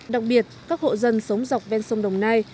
đặc biệt các hộ dân sống dọc ven sông đồng nai